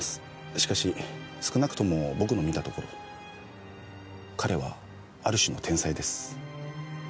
しかし少なくとも僕の見たところ彼はある種の天才です。